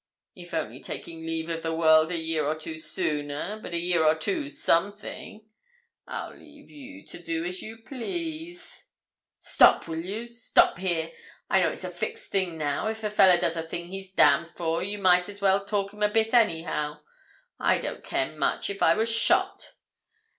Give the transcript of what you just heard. It's only taking leave of the world a year or two sooner, but a year or two's something. I'll leave you to do as you please.' 'Stop, will you? Stop here. I know it's a fixt thing now. If a fella does a thing he's damned for, you might let him talk a bit anyhow. I don't care much if I was shot.'